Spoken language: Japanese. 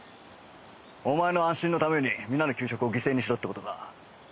お前の安心のために皆の給食を犠牲にしろって事か。